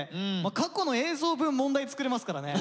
過去の映像分問題作れますからね。